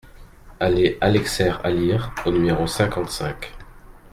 Allée Alexer Alire au numéro cinquante-cinq